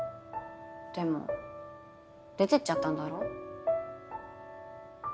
でも出てっちゃったんだろ？